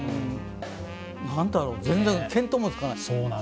何だろう、全然、見当もつかない。